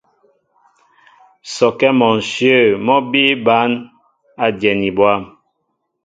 Sɔkɛ́ mɔ ǹshyə̂ mɔ́ bíí bǎn a dyɛni bwâm.